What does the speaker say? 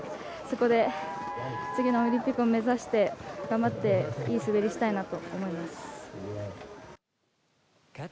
そこで次のオリンピックも目指して頑張っていい滑りがしたいと思います。